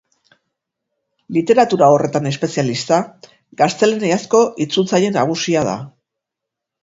Literatura horretan espezialista, gaztelaniazko itzultzaile nagusia da.